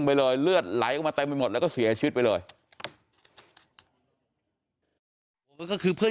ไปเลยเลือดไหลออกมาเต็มไปหมดแล้วก็เสียชีวิตไปเลย